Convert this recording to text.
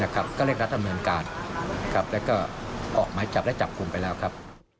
ก็เรียกรัฐเมืองการและออกไม้จับและจับคุมไปแล้วครับ